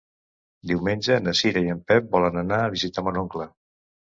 Diumenge na Cira i en Pep volen anar a visitar mon oncle.